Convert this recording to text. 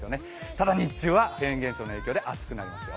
ただ日中はフェーン現象の影響で暑くなりますよ。